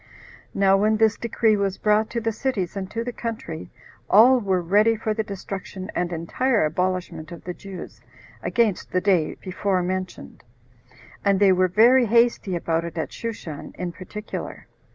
Now when this decree was brought to the cities, and to the country, all were ready for the destruction and entire abolishment of the Jews, against the day before mentioned; and they were very hasty about it at Shushan, in particular.